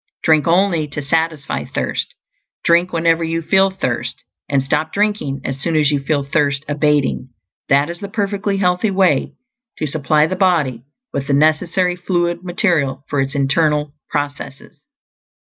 Drink only to satisfy thirst; drink whenever you feel thirst; and stop drinking as soon as you feel thirst abating. That is the perfectly healthy way to supply the body with the necessary fluid material for its internal processes.